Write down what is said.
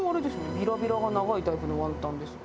びらびらが長いタイプのワンタンですね。